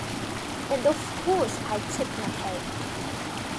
And of course I shook my head.